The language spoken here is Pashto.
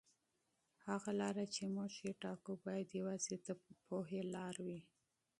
هغه لاره چې موږ یې ټاکو باید یوازې د پوهې لاره وي.